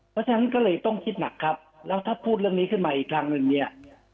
เพราะฉะนั้นก็เลยต้องคิดหนักครับแล้วถ้าพูดเรื่องนี้ขึ้นมาอีกครั้งหนึ่งเนี่ย